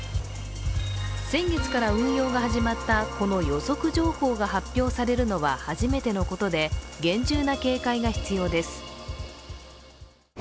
先月から運用が始まったこの予測情報が発表されるのは初めてのことで厳重な警戒が必要です。